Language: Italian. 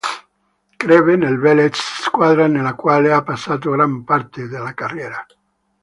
Crebbe nel Velez squadra nella quale ha passato gran parte della carriera.